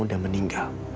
papa kamu sudah meninggal